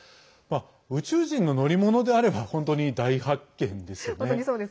宇宙人の乗り物であれば本当に大発見ですよね。